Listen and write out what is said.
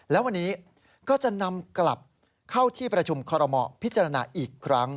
แล้ววันนี้ก็จะนำกลับเข้าที่ประชุมคอรมอพิจารณาอีกครั้ง